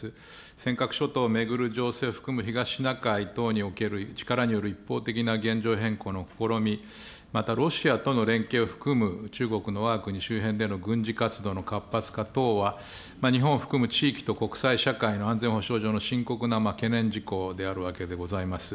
尖閣諸島を巡る情勢を含む東シナ海等における力による一方的な現状変更の試み、またロシアとの連携を含む中国のわが国周辺での軍事活動の活発化等は、日本を含む地域と国際社会の安全保障上の深刻な懸念事項であるわけでございます。